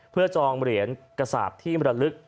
เพื่อจองเหรียญกระสาปที่มรลึก